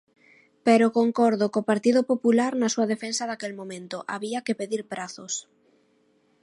Pero concordo co Partido Popular na súa defensa daquel momento, había que pedir prazos.